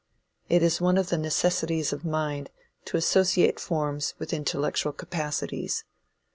It is one of the necessities of the mind to associate forms with intellectual capacities.